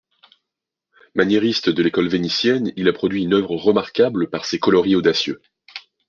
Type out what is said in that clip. Maniériste de l'école vénitienne, il a produit une œuvre remarquable par ses coloris audacieux.